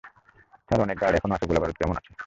Sir, অনেক guard এখনো আছে গোলাবারুদ কেমন আছে?